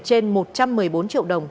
trên một trăm một mươi bốn triệu đồng